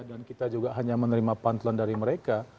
dan kita juga hanya menerima pantulan dari mereka